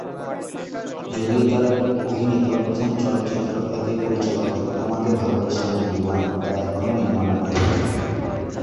যদিও তার অভিনীত প্রথম চলচ্চিত্র একই পরিচালকের "তোমাকে ভালোবেসে আমি দিওয়ানা", যা এখনো নির্মাণাধীন।